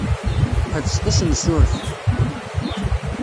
Ḥebset assensuref.